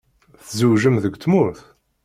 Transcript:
Tzewǧem deg tmurt?